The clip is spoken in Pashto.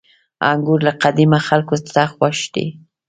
• انګور له قديمه خلکو ته خوښ دي.